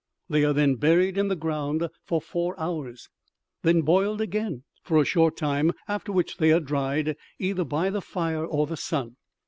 They are then buried in the ground for four hours, then boiled again for a short time, after which they are dried, either by the fire or the sun.